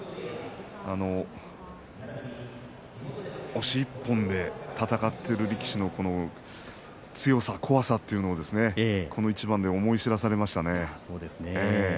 押し１本で戦っている力士の強さ怖さというのをこの一番で思い知らされましたね。